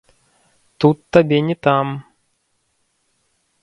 Тут табе не там.